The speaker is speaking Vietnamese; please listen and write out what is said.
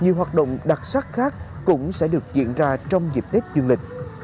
nhiều hoạt động đặc sắc khác cũng sẽ được diễn ra trong dịp tết dương lịch